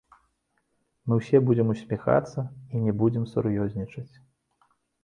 Мы ўсе будзем усміхацца і не будзем сур'ёзнічаць.